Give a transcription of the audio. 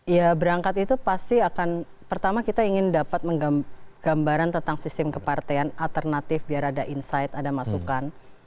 ya berangkat itu pasti akan pertama kita ingin dapat menggambaran tentang sistem kepartean alternatif biar ada insight ada masukan